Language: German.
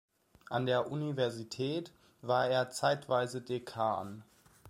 An der Universität war er zeitweise Dekan.